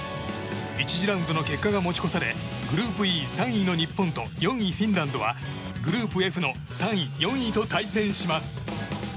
１次ラウンドの結果が持ち越されグループＥ３位の日本と４位、フィンランドはグループＦの３位、４位と対戦します。